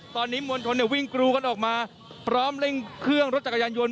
ตอนนี้มวลชนวิ่งกรูกันออกมาพร้อมเร่งเครื่องรถจักรยานยนต